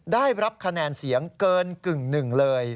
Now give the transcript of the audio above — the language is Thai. ได้รับคะแนนเสียงเกินกึ่งหนึ่งเลย